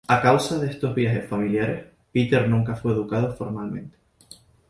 A causa de estos viajes familiares, Peter nunca fue educado formalmente.